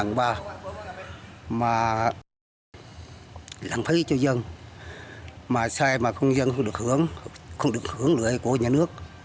năm hai nghìn một mươi ba mà lãng phí cho dân mà xài mà không dân không được hướng không được hướng lưỡi của nhà nước